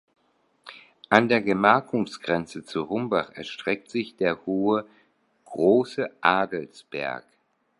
An der Gemarkungsgrenze zu Rumbach erstreckt sich der hohe "Große Adelsberg".